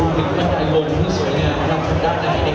รวมถึงข้างใดลงที่สุดเราคุณการได้